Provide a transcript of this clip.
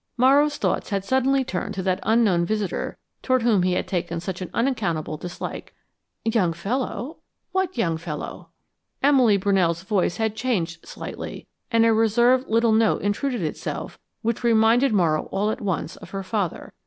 Morrow's thoughts had suddenly turned to that unknown visitor toward whom he had taken such an unaccountable dislike. "Young fellow what young fellow?" Emily Brunell's voice had changed, slightly, and a reserved little note intruded itself which reminded Morrow all at once of her father.